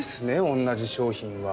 同じ商品は。